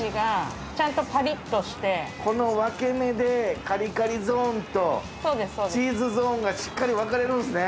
この分け目でカリカリゾーンとチーズゾーンがしっかり分かれるんすね。